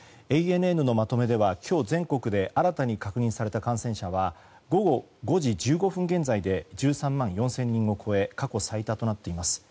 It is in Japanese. ＡＮＮのまとめでは今日全国で新たに確認された感染者は午後５時１５分現在で１３万４０００人を超え過去最多となっています。